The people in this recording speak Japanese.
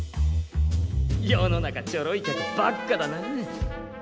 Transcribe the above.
世の中ちょろい客ばっかだな。